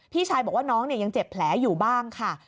พี่ชายบอกว่าน้องยังเจ็บแผลอยู่บ้างค่ะ